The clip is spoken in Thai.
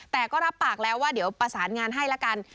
แต่ก็รับปากแล้วว่าเดี๋ยวประสานงานให้ละกัน